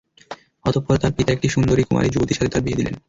অতঃপর তাঁর পিতা একটি সুন্দরী কুমারী যুবতীর সাথে তার বিয়ে দিলেন।